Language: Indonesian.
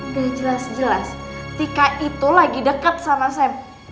gaya jelas jelas tika itu lagi deket sama sam